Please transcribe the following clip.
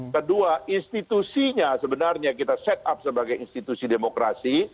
kedua institusinya sebenarnya kita set up sebagai institusi demokrasi